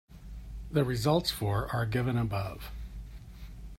The results for are given above.